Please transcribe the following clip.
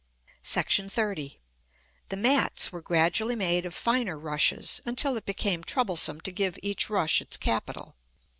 § XXX. The mats were gradually made of finer rushes, until it became troublesome to give each rush its capital.